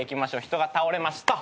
人が倒れました。